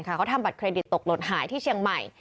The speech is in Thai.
เขาทำบัตรเครดิตตกหล่นหายที่เชียงใหม่